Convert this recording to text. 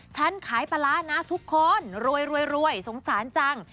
ฉันขายปลาร้านะทุกคนรวยสงสารจัง